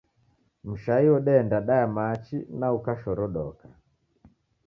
Mshai udeenda daya machi na ukashorodoka.